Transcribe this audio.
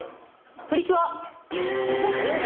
『プリキュア』正解！